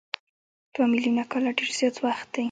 دوه میلیونه کاله ډېر زیات وخت دی.